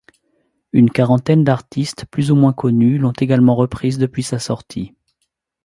Une quarantaine d'artistes plus ou moins connus l'ont également reprise depuis sa sortie.